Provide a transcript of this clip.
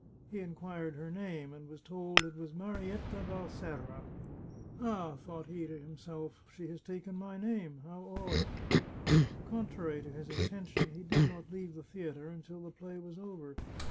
He inquired her name, and was told it was Marietta Val serra. " Ah," thought he to himself, " she has taken my name ! How odd !" Contrary to his intention, he did not leave the theatre until the play was over.